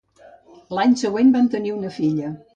L'any següent van tenir una filla.